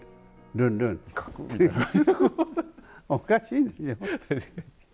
おかしいでしょ？